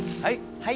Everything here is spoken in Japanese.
はい。